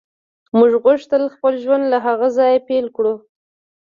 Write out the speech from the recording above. موږ غوښتل خپل ژوند له هغه ځایه پیل کړو